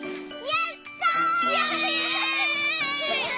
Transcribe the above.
やった！